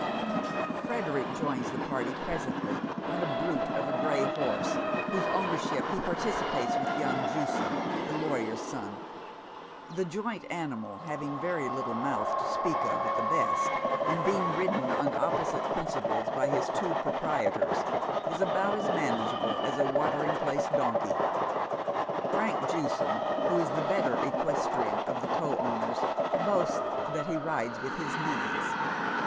Frederick joins the party presently, on a brute of a gray horse, whose o^\Tiership he participates with, young Jewson, the lawyer's 8on. The joint animal, having very little mouth to speak of at the best, and being ridden on opposite principles by his two pro prietors, is about as manageable as a watering place donkey. Frank Jewson, who is the better equestrian of the co owners, boasts that he rides with his knees.